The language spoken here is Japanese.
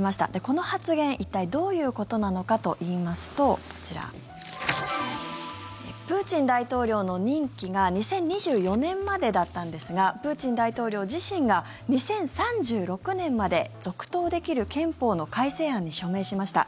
この発言、一体どういうことなのかといいますとプーチン大統領の任期が２０２４年までだったんですがプーチン大統領自身が２０３６年まで続投できる憲法の改正案に署名しました。